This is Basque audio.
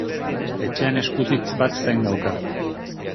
Etxean eskutitz bat zain dauka.